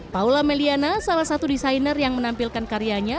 paula meliana salah satu desainer yang menampilkan karyanya